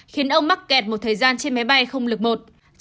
khiến ông mắc kẹt một thời gian trên máy bay không lực một